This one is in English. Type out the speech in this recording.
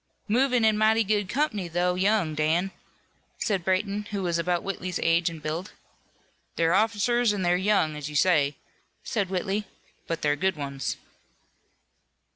"Movin' in mighty good comp'ny, though young, Dan," said Brayton, who was about Whitley's age and build. "They're officers, an' they're young, as you say," said Whitley, "but they're good ones."